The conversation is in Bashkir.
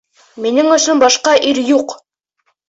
Минең өсөн башҡа ир юҡ.